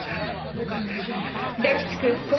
僕は大丈夫だから。